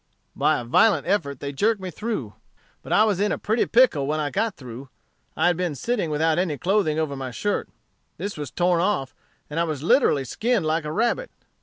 "By a violent effort they jerked me through; but I was in a pretty pickle when I got through. I had been sitting without any clothing over my shirt; this was tom off, and I was literally skinn'd like a rabbit.